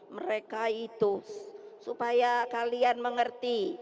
mereka itu supaya kalian mengerti